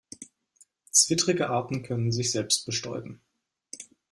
Zwittrige Arten können sich selbst bestäuben.